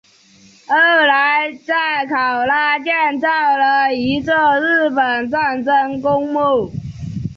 后来在考拉建造了一座日本战争公墓。